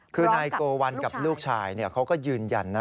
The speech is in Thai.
คือนายโกวัลกับลูกชายเขาก็ยืนยันนะ